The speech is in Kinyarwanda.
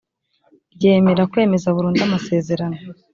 ryemera kwemeza burundu amasezerano